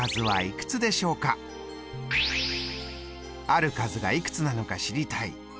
ある数がいくつなのか知りたい。